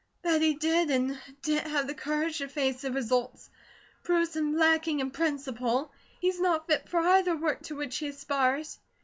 "That he did, and didn't have the courage to face the results, proves him lacking in principle. He's not fit for either work to which he aspires."